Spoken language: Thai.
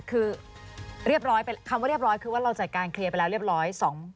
คือเรียบร้อยคำว่าเรียบร้อยคือว่าเราจัดการเคลียร์ไปแล้วเรียบร้อย